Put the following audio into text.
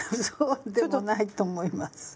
そうでもないと思います。